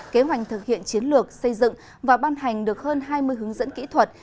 kế hoạch thực hiện chiến lược xây dựng và ban hành được hơn hai mươi hướng dẫn kỹ thuật